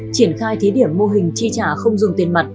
triển khai thí điểm mô hình chi trả không dùng tiền mặt